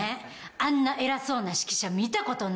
あんな偉そうな指揮者見たことない。